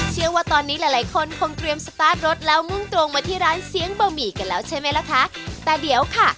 เชื่อว่าตอนนี้หลายหลายคนคงเตรียมสตาร์ทรถแล้วมุ่งตรงมาที่ร้านเสียงบะหมี่กันแล้วใช่ไหมล่ะคะแต่เดี๋ยวค่ะ